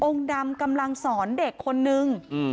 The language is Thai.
ดำกำลังสอนเด็กคนนึง